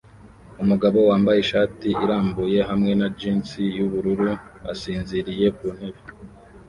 Umugabo wambaye ishati irambuye hamwe na jans yubururu asinziriye kuntebe